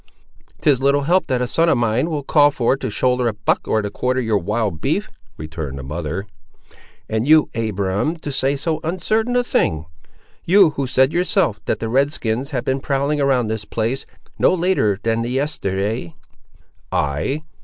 "'Tis little help that a son of mine will call for, to shoulder a buck or to quarter your wild beef," returned the mother. "And you, Abiram, to say so uncertain a thing! you, who said yourself that the red skins had been prowling around this place, no later than the yesterday—" "I!"